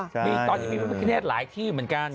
ตอนนี้มีป๊าปิกะเนทหลายที่เหมือนกัน